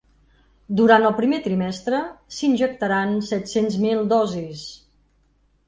Durant el primer trimestre s’injectaran set-cents mil dosis.